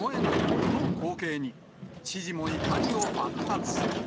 この光景に、知事も怒りを爆発。